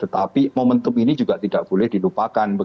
dan juga tidak boleh dilupakan